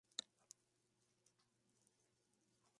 Ese mismo año se declararía abiertamente la guerra anglo-española.